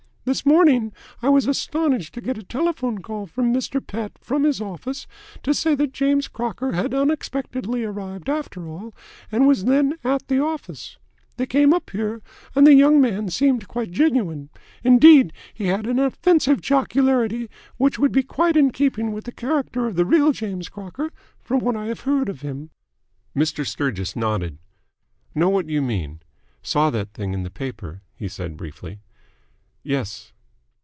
This morning I was astonished to get a telephone call from Mr. Pett from his office, to say that James Crocker had unexpectedly arrived after all, and was then at the office. They came up here, and the young man seemed quite genuine. Indeed, he had an offensive jocularity which would be quite in keeping with the character of the real James Crocker, from what I have heard of him." Mr. Sturgis nodded. "Know what you mean. Saw that thing in the paper," he said briefly. "Yes?"